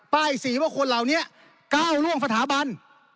สีว่าคนเหล่านี้ก้าวล่วงสถาบัน